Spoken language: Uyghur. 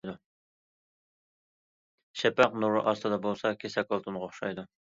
شەپەق نۇرى ئاستىدا بولسا كېسەك ئالتۇنغا ئوخشايدۇ.